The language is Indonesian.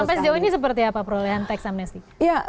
sampai sejauh ini seperti apa perolehan teksamennya sih